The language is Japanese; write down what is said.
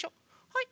はい。